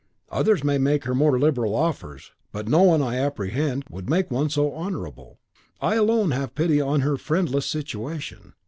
Others may make her more liberal offers, but no one, I apprehend, would make one so honourable. I alone have pity on her friendless situation.